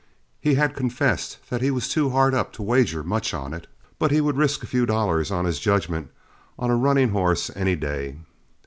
He had confessed that he was too hard up to wager much on it, but he would risk a few dollars on his judgment on a running horse any day.